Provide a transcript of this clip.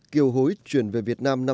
kiều hối chuyển về việt nam năm năm